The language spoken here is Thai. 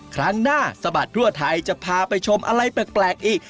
ครั้งหน้าสะบัดทั่วไทยจะพาไปชมอะไรแปลกอีก